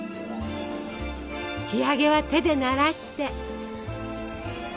仕上げは手でならして。